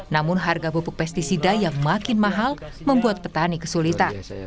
namun harga pupuk pesticida yang makin mahal membuat petani kesulitan